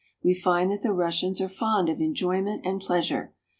We find that the Russians are fond of enjoyment and pleasure.